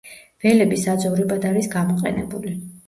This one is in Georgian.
ველები საძოვრებად არის გამოყენებული.